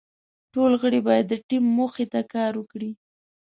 ټول غړي باید د ټیم موخې ته کار وکړي.